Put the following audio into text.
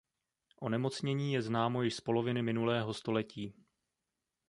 Onemocnění je známo již z poloviny minulého století.